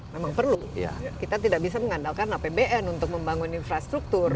memang perlu kita tidak bisa mengandalkan apbn untuk membangun infrastruktur